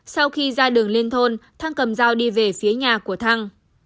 sau khi ra đường liên thôn thăng cầm dao đi về phía nhà của thăng